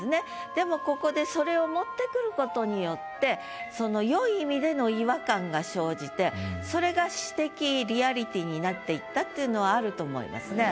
でもここでそれを持ってくることによってその生じてそれが詩的リアリティーになっていったっていうのはあると思いますね。